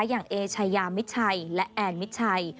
อย่างเอชายามิดชัยและแอนมิดชัย